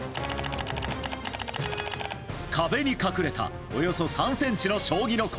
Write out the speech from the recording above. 壁に隠れたおよそ３ｃｍの将棋の駒。